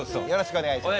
お願いします。